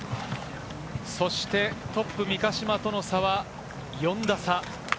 そしてトップ・三ヶ島との差は４打差。